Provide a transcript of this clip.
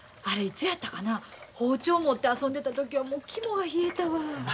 あれいつやったかな包丁持って遊んでた時は肝が冷えたわ。